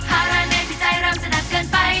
฼าระเมตรใจปิดใจร่ำสนับกันไป